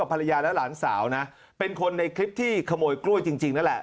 ภรรยาและหลานสาวนะเป็นคนในคลิปที่ขโมยกล้วยจริงนั่นแหละ